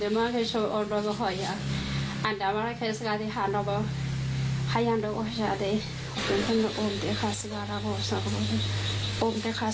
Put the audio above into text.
มาวันนี้ต้องการให้แม่ช่วยอะไรคะ